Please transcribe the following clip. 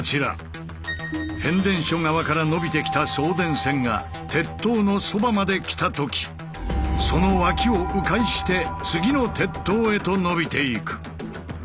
変電所側から延びてきた送電線が鉄塔のそばまで来た時その脇をう回して次の鉄塔へと延びていく。